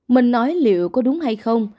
mình nói liệu có đúng hay không